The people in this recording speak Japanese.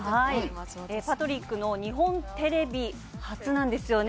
パトリックさんは日本のテレビ初なんですよね。